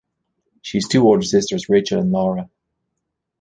She has two older sisters, Rachael and Laura.